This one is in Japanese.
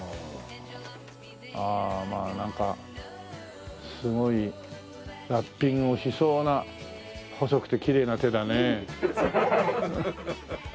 ああまあなんかすごいラッピングをしそうな細くてきれいな手だね。